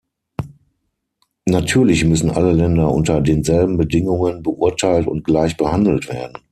Natürlich müssen alle Länder unter denselben Bedingungen beurteilt und gleich behandelt werden.